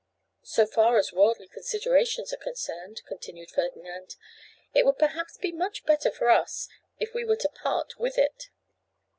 'So far as worldly considerations are concerned,' continued Ferdinand, 'it would perhaps be much better for us if we were to part with it.